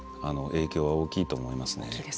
影響は大きいと思いますね。